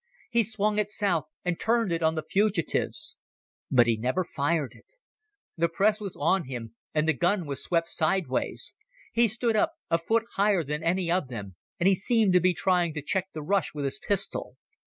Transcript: He swung it south and turned it on the fugitives. But he never fired it. The press was on him, and the gun was swept sideways. He stood up, a foot higher than any of them, and he seemed to be trying to check the rush with his pistol.